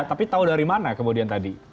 tapi tahu dari mana kemudian tadi